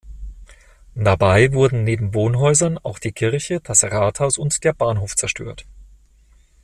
Dabei wurden neben Wohnhäusern auch die Kirche, das Rathaus und der Bahnhof zerstört.